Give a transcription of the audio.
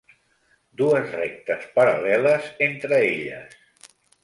Dues rectes paral·leles entre elles.